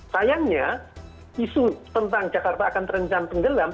sayangnya isu tentang jakarta akan terencam penggelam